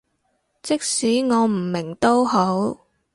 即使我唔明都好